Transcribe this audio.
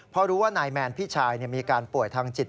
เพราะรู้ว่านายแมนพี่ชายมีอาการป่วยทางจิต